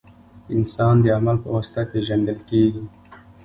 • انسان د عمل په واسطه پېژندل کېږي.